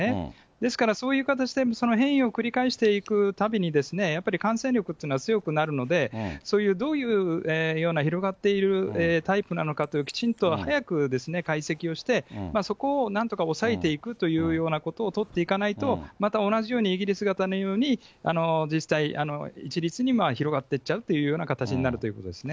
ですから、そういう形で変異を繰り返していくたびに、やっぱり感染力っていうのは強くなるので、そういう、どういうような広がっているタイプなのかというをきちんと早く解析をして、そこをなんとか抑えていくというようなことを取っていかないと、また同じように、イギリス型のように、実際、一律に広がっていっちゃうというような形になるということですね。